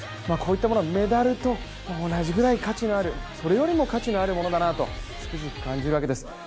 こういったものはメダルと同じくらい価値のある、それよりも価値のあるものだとつくづく感じるわけです。